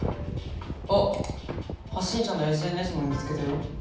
あっ発信者のＳＮＳも見つけたよ。